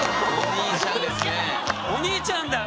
お兄ちゃんだ。